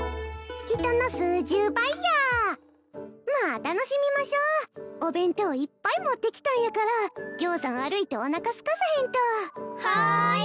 人の数十倍やまあ楽しみましょうお弁当いっぱい持ってきたんやからぎょうさん歩いておなかすかさへんとはーい！